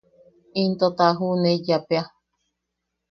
Into ta ju’uneiyapea.